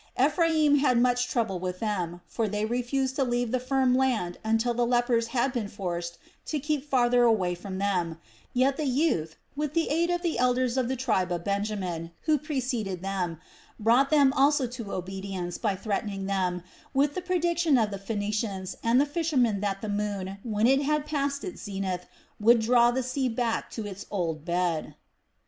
Ephraim had much trouble with them, for they refused to leave the firm land until the lepers had been forced to keep farther away from them; yet the youth, with the aid of the elders of the tribe of Benjamin, who preceded them, brought them also to obedience by threatening them with the prediction of the Phoenicians and the fishermen that the moon, when it had passed its zenith, would draw the sea back to its old bed.